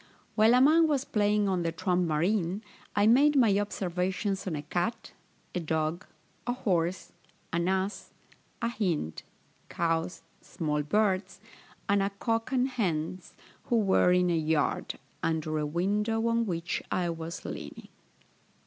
While a man was playing on the trump marine, I made my observations on a cat, a dog, a horse, an ass, a hind, cows, small birds, and a cock and hens, who were in a yard, under a window on which I was leaning.